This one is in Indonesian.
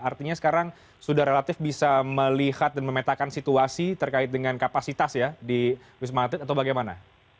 artinya sekarang sudah relatif bisa melihat dan memetakan situasi terkait dengan kapasitas ya di wisma atlet atau bagaimana